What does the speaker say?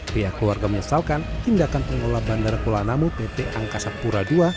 pihak keluarga menyesalkan tindakan pengelola bandara kuala namu pt angkasa pura ii